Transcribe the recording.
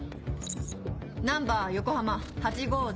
ナンバー横浜８５０